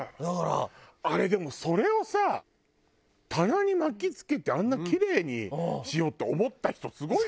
あれでもそれをさ棚に巻きつけてあんなキレイにしようって思った人すごいよね。